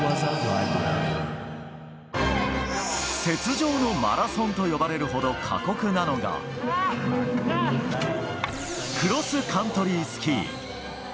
雪上のマラソンと呼ばれるほど過酷なのがクロスカントリースキー。